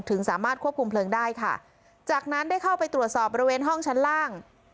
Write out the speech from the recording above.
สามารถควบคุมเพลิงได้ค่ะจากนั้นได้เข้าไปตรวจสอบบริเวณห้องชั้นล่าง